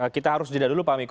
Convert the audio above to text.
kita harus jeda dulu pak miko